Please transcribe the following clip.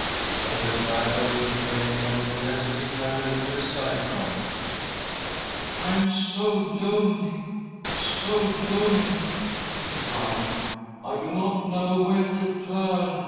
When the driver remained motionless, he turned a little aside from him. " I am so lonely, so lonely !" he cried. " I do not know where to turn.